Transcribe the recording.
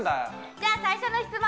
じゃあ最初の質問！